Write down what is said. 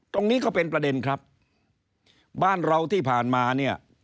ก็เป็นประเด็นครับบ้านเราที่ผ่านมาเนี่ย